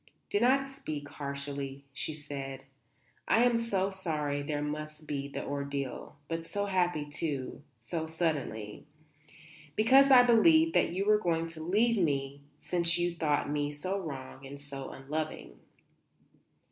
"Do not speak harshly," she said. "I am so sorry there must be the ordeal. But so happy, too so suddenly. Because I believed that you were going to leave me since you thought me so wrong and so unloving."